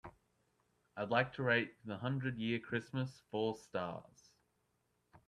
I would like to rate The Hundred-Year Christmas four stars.